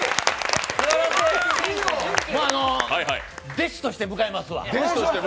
弟子として迎えますわ。